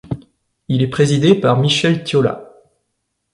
Il est présidé par Michel Thiolat.